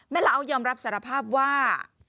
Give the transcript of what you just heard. เหล้ายอมรับสารภาพว่า